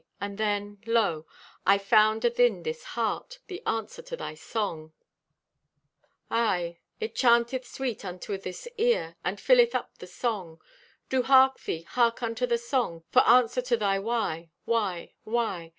And then, lo, I found athin this heart The answer to thy song. Aye, it chanteth sweet unto this ear, And filleth up the song. Do hark thee, hark unto the song, For answer to thy why? why? why?